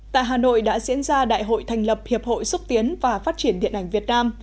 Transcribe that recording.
tại hà nội đã diễn ra đại hội thành lập hiệp hội xúc tiến và phát triển điện ảnh việt nam